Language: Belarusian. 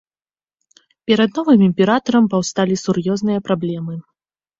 Перад новым імператарам паўсталі сур'ёзныя праблемы.